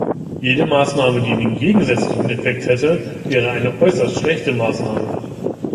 Jede Maßnahme, die den gegensätzlichen Effekt hätte, wäre eine äußerst schlechte Maßnahme.